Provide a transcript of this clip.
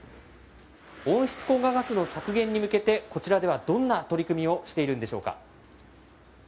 温室効果ガスの削減に向けて、こちらではどんな取り組みをしているんでしょうか。